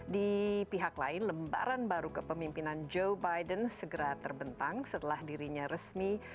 di pihak lain lembaran baru kepemimpinan joe biden segera terbentang setelah dirinya resmi